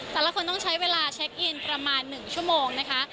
แต่ละคนต้องใช้เวลาเช็คอินประมาณ๑ชั่วโมงนะคะ